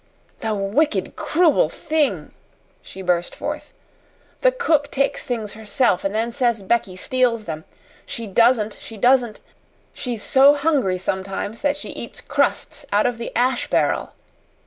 "The wicked, cruel thing!" she burst forth. "The cook takes things herself and then says Becky steals them. She DOESN'T! She DOESN'T! She's so hungry sometimes that she eats crusts out of the ash barrel!"